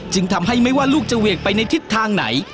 จึงทำให้ไม่ว่าลูกจะเหวี่กไปในทิศทางไหน